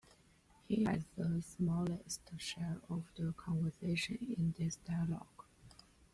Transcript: He has the smallest share of the conversation in this dialogue.